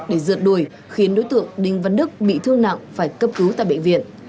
để rượt đuổi khiến đối tượng đinh văn đức bị thương nặng phải cấp cứu tại bệnh viện